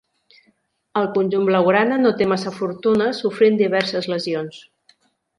Al conjunt blaugrana no té massa fortuna, sofrint diverses lesions.